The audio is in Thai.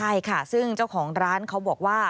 ใช่ค่ะซึ่งเจ้าของร้านเขาบอกว่า